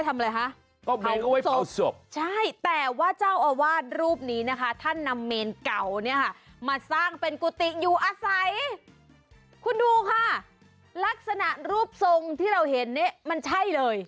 ถ้าไหรนะขอมาสร้างเป็นโกติอยู่อาศัยคุณดูค่าลักษณะรูปทรงที่เราเห็นเนี้ยมันใช่เลย